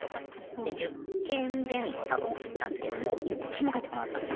で１０件前後多分送ったんですけども１件も返ってこなかったんですよ。